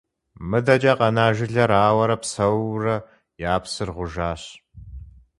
МыдэкӀэ къэна жылэр ауэрэ псэууэрэ, я псыр гъужащ.